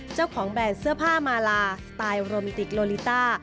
แบรนด์เสื้อผ้ามาลาสไตล์โรแมนติกโลลิต้า